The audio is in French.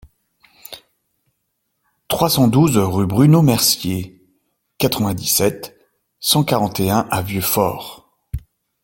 trois cent douze rue Bruno Mercier, quatre-vingt-dix-sept, cent quarante et un à Vieux-Fort